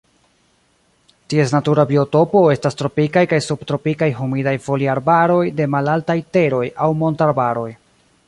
Ties natura biotopo estas tropikaj kaj subtropikaj humidaj foliarbaroj de malaltaj teroj aŭ montarbaroj.